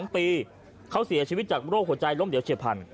๒ปีเขาเสียชีวิตจากโรคหัวใจล้มเหลวเฉียบพันธ